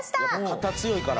肩強いから。